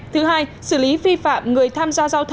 thứ hai xử lý vi phạm